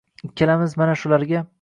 ikkalamiz mana shularga